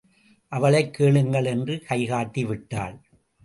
அவளைக் கேளுங்கள் என்று கை காட்டிவிட்டாள்.